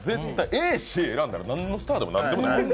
Ａ、Ｃ選んだらなんのスターでもない。